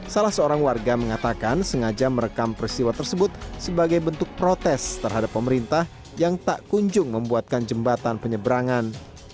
salah seorang warga mengatakan sengaja merekam peristiwa tersebut sebagai bentuk protes terhadap pemerintah yang tak kunjung membuatkan jembatan penyeberangan